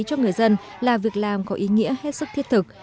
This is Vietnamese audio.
cho người dân là việc làm có ý nghĩa hết sức thiết thực